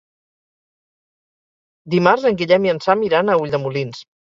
Dimarts en Guillem i en Sam iran a Ulldemolins.